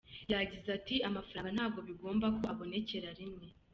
Yagize ati“Amafaranga ntabwo bigomba ko abonekera rimwe.